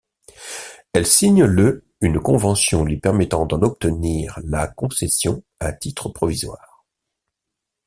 Elle signe le une convention lui permettant d'en obtenir la concession à titre provisoire.